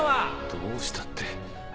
どうしたって。